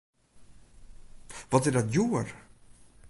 Wat is dat djoer!